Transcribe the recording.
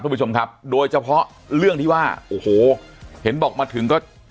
คุณผู้ชมครับโดยเฉพาะเรื่องที่ว่าโอ้โหเห็นบอกมาถึงก็